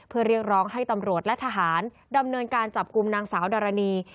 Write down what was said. เพื่อเรียกร้องให้ตำรวจและทหารดำเนินการจับกลุ่มนางสาวดารณี